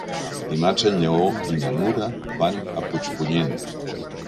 Dimarts en Lleó i na Nura van a Puigpunyent.